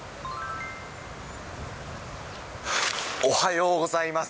おはようございます。